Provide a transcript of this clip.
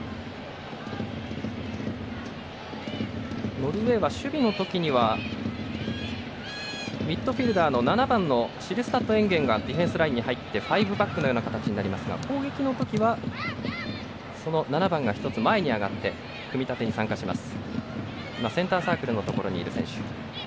ノルウェーは、守備の時にはミッドフィルダーの７番のシルスタッドエンゲンがディフェンスラインに入って５バックの形になりますが攻撃のときはその７番が１つ前に上がって組み立てに参加します。